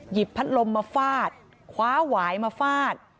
หยิบพันธ์ลมมาฟาดคว้าหวายมาฟาด